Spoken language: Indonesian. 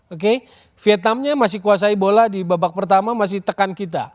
oke vietnamnya masih kuasai bola di babak pertama masih tekan kita